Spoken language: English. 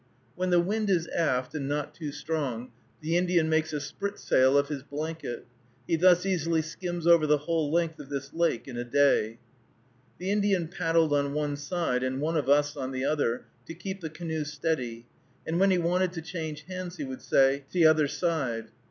When the wind is aft, and not too strong, the Indian makes a spritsail of his blanket. He thus easily skims over the whole length of this lake in a day. The Indian paddled on one side, and one of us on the other, to keep the canoe steady, and when he wanted to change hands he would say, "t' other side."